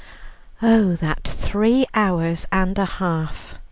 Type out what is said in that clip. Oh, that three hours and a half!